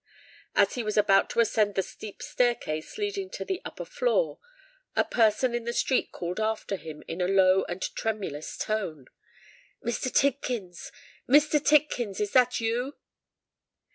As he was about to ascend the steep staircase leading to the upper floor, a person in the street called after him in a low and tremulous tone, "Mr. Tidkins! Mr. Tidkins! is that you?"